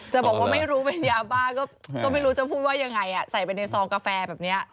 จะบอกว่าไม่รู้เป็นยาบ้าก็ไม่รู้จะพูดว่ายังไงใส่ไปในซองกาแฟแบบนี้